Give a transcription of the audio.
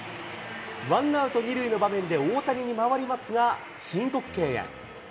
ワンアウト２塁の場面で大谷に回りますが、申告敬遠。